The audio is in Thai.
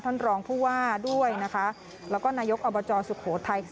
ท่านรองผู้ว่าด้วยนะคะแล้วก็นายกอบจสุโขทัย